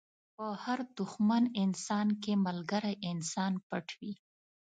په هر دښمن انسان کې ملګری انسان پټ وي.